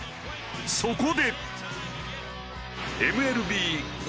そこで。